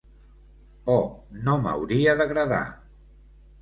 Oh, no m'hauria d'agradar!